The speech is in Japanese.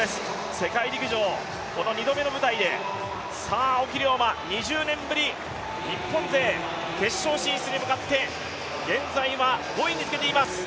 世界陸上、この２度目の舞台で、青木涼真、２０年ぶり、日本勢、決勝進出に向かって、現在は５位につけています。